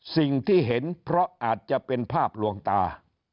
สิ่งที่เห็นเพราะอาจจะเป็นภาพลวงตา